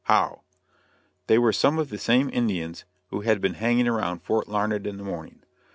How!" They were some of the same Indians who had been hanging around Fort Larned in the morning.